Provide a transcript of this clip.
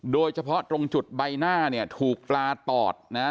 โดยเฉพาะตรงจุดใบหน้าเนี่ยถูกปลาตอดนะฮะ